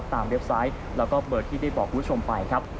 เว็บไซต์แล้วก็เบอร์ที่ได้บอกคุณผู้ชมไปครับ